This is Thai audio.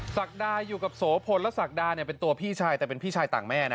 ศักดาอยู่กับโสพลและศักดาเนี่ยเป็นตัวพี่ชายแต่เป็นพี่ชายต่างแม่นะ